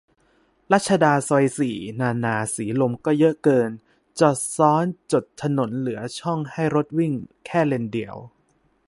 รัชดาซอยสี่ นานา สีลม ก็เยอะเกิน จอดซ้อนจดถนนเหลือช่องให้รถวิ่งแค่เลนเดียว